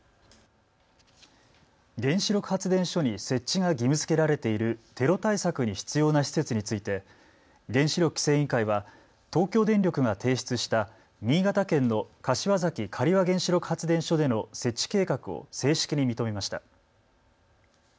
原子力発電所に設置が義務づけられているテロ対策に必要な施設について原子力規制委員会は東京電力が提出した新潟県の柏崎刈羽原子力発電所での設置計画を正式に認めました。